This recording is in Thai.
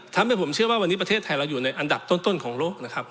ทำให้ผมเชื่อว่าวันนี้ประเทศไทยเราอยู่ในอันดับต้นของโลกนะครับ